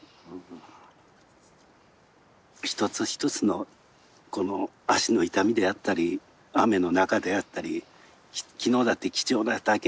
一つ一つのこの足の痛みであったり雨の中であったり昨日だって貴重な体験